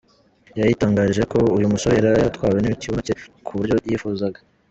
yayitangarije ko uyu musore yari yaratwawe nikibuno cye ku buryo yifuzaga.